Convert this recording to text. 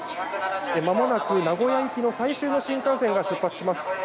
まもなく名古屋駅の最終の新幹線が出発します。